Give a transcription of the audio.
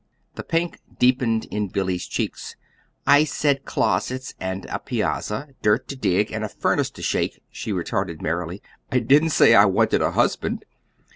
The pink deepened in Billy's cheeks. "I said closets and a piazza, dirt to dig, and a furnace to shake," she retorted merrily. "I didn't say I wanted a husband."